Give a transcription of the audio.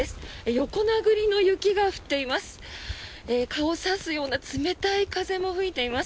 横殴りの雪が降っています。